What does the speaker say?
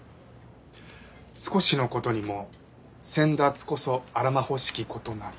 「少しの事にも先達こそあらまほしき事なり」。